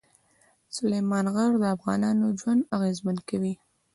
سلیمان غر د افغانانو ژوند اغېزمن کوي.